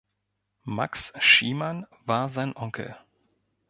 Max Schiemann war sein Onkel.